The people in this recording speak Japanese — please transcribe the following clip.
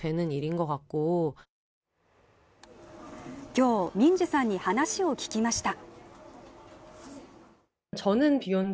今日、ミンジさんに話を聞きました。